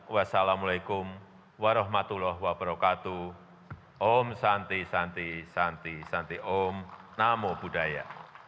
wassalamualaikum warahmatullahi wabarakatuh om santi santi santi santi om namo buddhaya